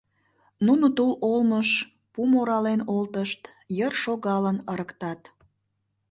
Нуно тул олмыш пум орален олтышт, йыр шогалын ырыктат...